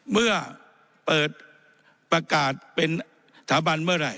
เมื่อเปิดประกาศเป็นสถาบันเมื่อไหร่